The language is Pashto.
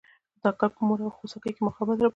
دا کار په مور او خوسکي کې مقاومت را پاروي.